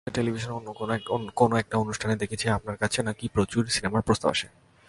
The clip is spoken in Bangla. আচ্ছা, টেলিভিশনে কোন একটা অনুষ্ঠানে দেখেছি আপনার কাছে নাকি প্রচুর সিনেমার প্রস্তাব আসে।